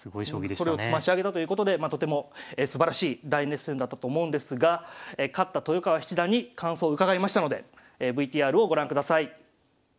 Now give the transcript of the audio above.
それを詰まし上げたということでとてもすばらしい大熱戦だったと思うんですが勝った豊川七段に感想を伺いましたのでＶＴＲをご覧ください。